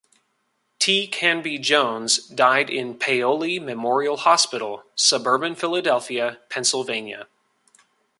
T. Canby Jones died in Paoli Memorial Hospital, suburban Philadelphia, Pennsylvania.